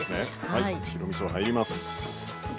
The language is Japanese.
はい白みそ入ります。